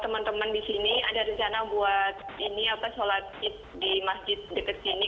kalau teman teman di sini ada rencana buat ini apa sholat di masjid deket sini